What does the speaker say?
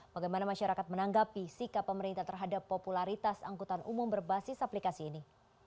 bagaimana masyarakat menanggapi sikap pemerintah terhadap popularitas angkutan umum berbasis aplikasi ini